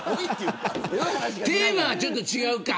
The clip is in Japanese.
テーマはちょっと違うか。